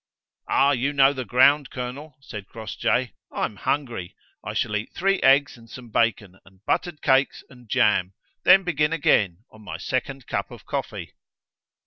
"Ah, you know the ground, colonel," said Crossjay. "I am hungry! I shall eat three eggs and some bacon, and buttered cakes, and jam, then begin again, on my second cup of coffee."